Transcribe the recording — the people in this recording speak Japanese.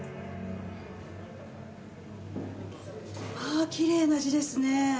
ああきれいな字ですね。